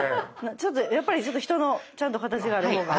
ちょっとやっぱり人のちゃんと形がある方が。